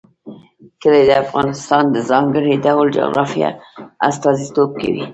کلي د افغانستان د ځانګړي ډول جغرافیه استازیتوب کوي.